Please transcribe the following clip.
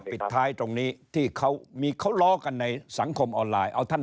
ปิดท้ายตรงนี้ที่เขามีเขาล้อกันในสังคมออนไลน์เอาท่าน